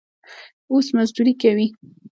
اوس مزدوري کوي.